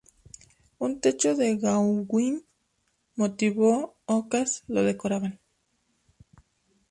Un techo de Gauguin, motivo: ocas, lo decoraban.